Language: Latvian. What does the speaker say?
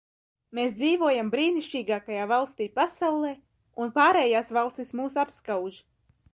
Mēs dzīvojam brīnišķīgākajā valstī pasaulē, un pārējās valstis mūs apskauž.